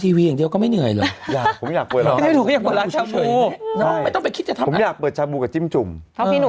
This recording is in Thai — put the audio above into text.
จิ้มจุ่มหนุ่มกันชัยอะชื่อน้ำจิ้มแหลกฮือเอ้าไป